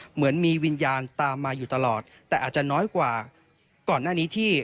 เหมือนมีวิญญาณตามมาอยู่ตลอดแต่อาจจะน้อยกว่าก่อนหน้านี้ที่